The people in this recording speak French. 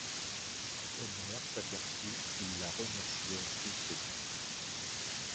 Omer s'aperçut qu'il la remerciait gauchement.